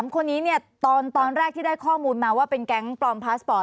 ๓คนนี้เนี่ยตอนแรกที่ได้ข้อมูลมาว่าเป็นแก๊งปลอมพาสปอร์ต